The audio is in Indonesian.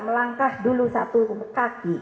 melangkah dulu satu kaki